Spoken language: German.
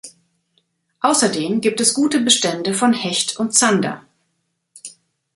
Außerdem gibt es gute Bestände von Hecht und Zander.